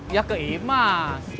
ya ke imas